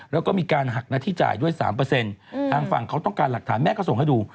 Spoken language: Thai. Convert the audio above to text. แล้วก็มีการหักหน้าที่จ่ายด้วย๓ทางฝั่งเขาต้องการหลักฐานแม่ก็ส่งให้ดู